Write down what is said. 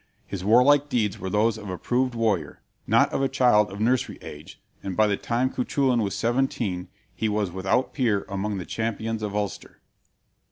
His warlike deeds were those of a proved warrior, not of a child of nursery age; and by the time Cuchulain was seventeen he was without peer among the champions of Ulster.